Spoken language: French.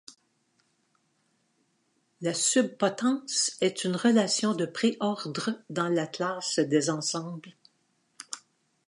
La subpotence est une relation de préordre dans la classe des ensembles.